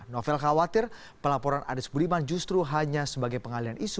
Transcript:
novel khawatir pelaporan anies budiman justru hanya sebagai pengalian isu